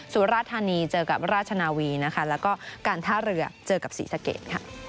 สุราธานีเจอกับราชนาวีนะคะแล้วก็การท่าเรือเจอกับศรีสะเกดค่ะ